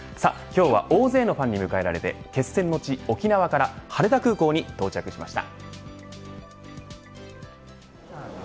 今日は、大勢のファンに迎えられて、決戦の地、沖縄から羽田空港に到着しました。